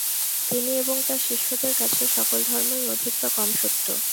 তিনি এবং তার শিষ্যদের কাছে সকল ধর্মই অধিক বা কম সত্য।